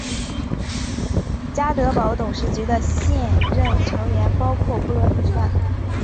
家得宝董事局的现任成员包括布伦尼曼。